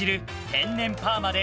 天然パーマで